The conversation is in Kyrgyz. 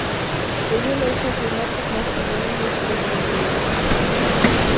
Деги эле ошол кызматтык машиненин иштегенин көргөн жокпуз.